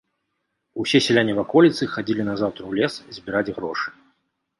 Усе сяляне ваколіцы хадзілі назаўтра ў лес збіраць грошы.